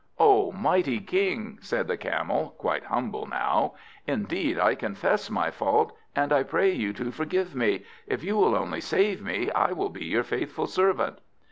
"O mighty King," said the Camel, quite humble now, "indeed I confess my fault, and I pray you to forgive me. If you will only save me, I will be your faithful servant."